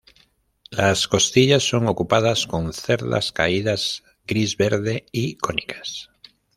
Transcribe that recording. Las costillas son ocupadas con cerdas caídas gris-verde y cónicas.